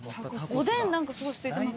おでん何かすいてます。